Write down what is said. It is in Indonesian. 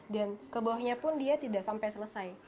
dan kebawahnya pun dia tidak sampai selesai